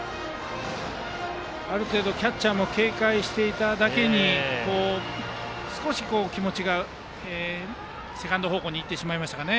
ある程度キャッチャーも警戒していただけに少し気持ちがセカンド方向にいってしまいましたかね。